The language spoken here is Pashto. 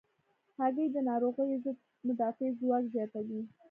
هګۍ د ناروغیو ضد مدافع ځواک زیاتوي.